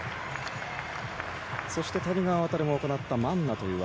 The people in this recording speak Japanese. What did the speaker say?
そして谷川航も行ったマンナという技。